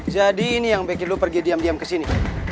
jadi ini yang bikin lo pergi diam diam kesini